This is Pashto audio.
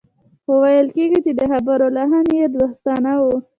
خو ويل کېږي چې د خبرو لحن يې دوستانه و.